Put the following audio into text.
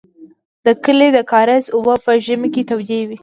د کلي د کاریز اوبه په ژمي کې تودې وې.